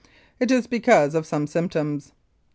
It is because of some symptoms.